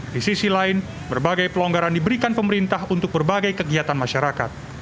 di sisi lain berbagai pelonggaran diberikan pemerintah untuk berbagai kegiatan masyarakat